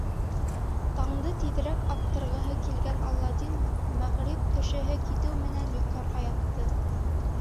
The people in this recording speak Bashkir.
Таңды тиҙерәк аттырғыһы килгән Аладдин мәғриб кешеһе китеү менән йоҡларға ята.